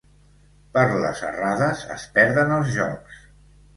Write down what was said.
Per les errades es perden els jocs.